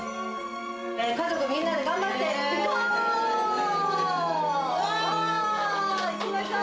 家族みんなで頑張っていこう！